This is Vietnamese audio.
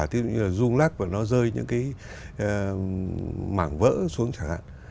tức là rung lắc và nó rơi những cái mảng vỡ xuống chẳng hạn